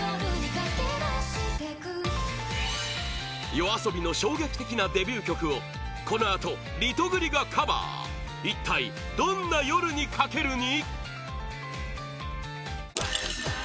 ＹＯＡＳＯＢＩの衝撃的なデビュー曲をこのあと、リトグリがカバー一体どんな「夜に駆ける」に？